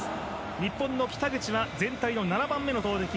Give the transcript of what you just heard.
日本の北口は全体の７番目の投てき。